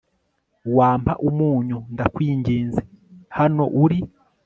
wampa umunyu, ndakwinginze? hano uri